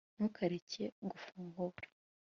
ntukareke gufungura